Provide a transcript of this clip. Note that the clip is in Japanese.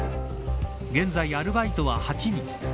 現在アルバイトは８人。